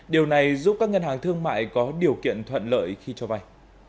điều này giúp các ngân hàng thương mại có điều kiện thuận lợi khi cho vay